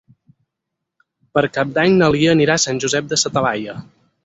Per Cap d'Any na Lia anirà a Sant Josep de sa Talaia.